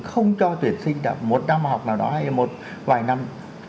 không cho tuyển sinh một năm học nào đó hay một vài năm